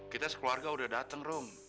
kita sekeluarga udah datang rum